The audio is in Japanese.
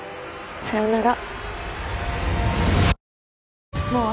さよなら。